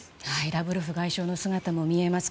ラブロフ外相の姿も見えます。